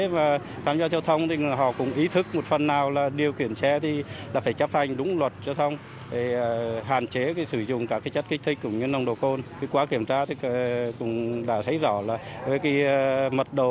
và đương nhiên sẽ dẫn đến cái sức lao động giảm